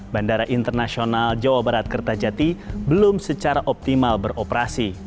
bandara internasional jawa barat kertajati belum secara optimal beroperasi